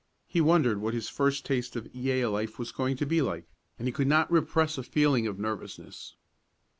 He wondered what his first taste of Yale life was going to be like, and he could not repress a feeling of nervousness.